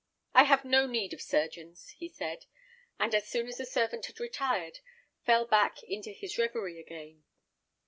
"I have no need of surgeons," he said; and as soon as the servant had retired, fell back into his reverie again.